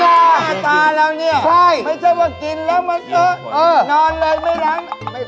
ไม่ได้อย่างนี้เดี๋ยวว่าจะหางจุดละเข้เลย